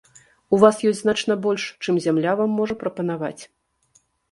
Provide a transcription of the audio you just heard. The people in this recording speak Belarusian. У вас ёсць значна больш, чым зямля вам можа прапанаваць.